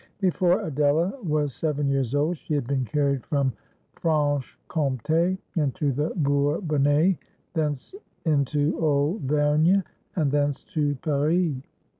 Before Adela was seven years old, she had been carried from Franche Comté into the Bourbonnais, thence into Auvergne, and thence to Paris.